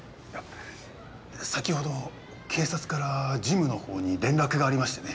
先ほど警察から事務の方に連絡がありましてね。